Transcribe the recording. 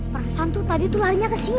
perasan tadi itu larinya ke sini